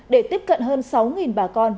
để tiếp cận hơn sáu bà con